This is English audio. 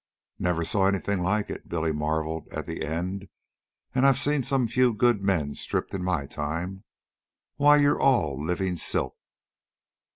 "Never saw anything like it," Billy marveled at the end; "an' I've seen some few good men stripped in my time. Why, you're all living silk."